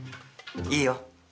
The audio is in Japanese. いいよ。